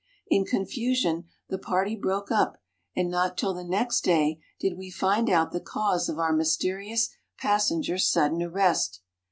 In confusion the party broke up and not till the next day did we find out the cause of our mysterious passenger's sudden arrest.